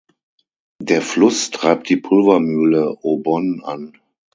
Der Fluss treibt die Pulvermühle Aubonne an.